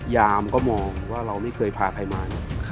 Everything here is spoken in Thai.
ยามก็มองว่าเราไม่เคยพาใครมาเนี่ย